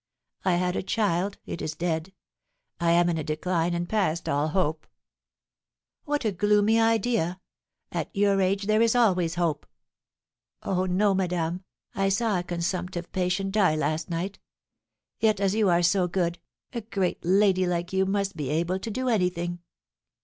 "I had a child, it is dead; I am in a decline and past all hope." "What a gloomy idea! At your age there is always hope." "Oh, no, madame, I saw a consumptive patient die last night. Yet as you are so good, a great lady like you must be able to do anything."